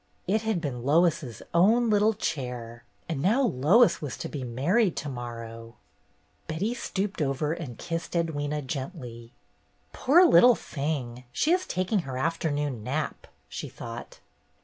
It had been Lois's own little chair — and now Lois was to be married to morrow ! 286 BETTY BAIRD'S GOLDEN YEAR Betty stooped over and kissed Edwyna gently. "Poor little thing, she is taking her after noon nap," she thought.